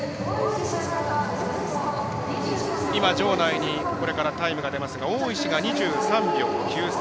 場内にタイムが出ますが大石が２３秒９３。